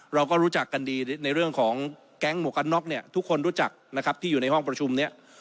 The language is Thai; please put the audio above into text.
เราก็รู้จักกันดีในเรื่องของแก๊งหมวกกันน็อกเนี่ยทุกคนรู้จักนะครับที่อยู่ในห้องประชุมเนี่ย